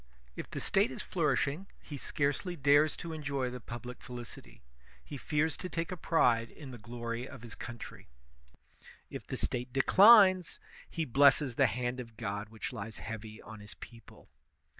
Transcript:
If the State is flourish ing, he scarcely dares to enjoy the public felicity; he fears to take a pride in the glory of his country. If the 122 THE SOCIAL CONTRACT State declines, he blesses the hand of God which lies heavy on his people.